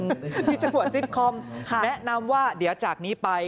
จะกวดซิตคอมแนะนำว่าเดี๋ยวจากนี้ไป